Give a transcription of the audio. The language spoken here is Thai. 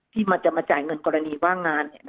ที่จะมาจ่ายเงินกรณีว่างงาน